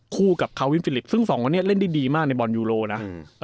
คู่กับคาวินฟิลิปซึ่งสองคนนี้เล่นได้ดีมากในบอลยูโรนะอืม